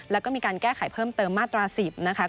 แล้วก็มีการแก้ไขเพิ่มเติมมาตรา๑๐นะคะ